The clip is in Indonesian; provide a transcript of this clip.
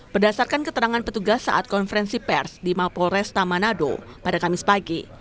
berdasarkan keterangan petugas saat konferensi pers di mapol resta manado pada kamis pagi